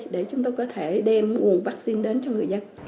để chúng tôi có thể đem nguồn vaccine đến cho người dân